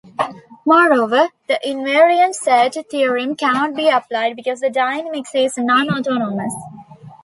Moreover, the invariant set theorem cannot be applied, because the dynamics is non-autonomous.